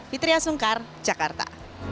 fitriah sungkar jakarta